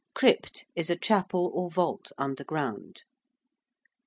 ~crypt~ is a chapel or vault underground.